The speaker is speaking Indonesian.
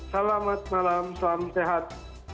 selamat malam salam sehat